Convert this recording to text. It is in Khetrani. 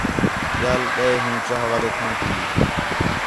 ٻِیال ڳئے ہوں چاہ والے تھاں تی